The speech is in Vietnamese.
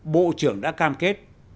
bộ trưởng đã cam kết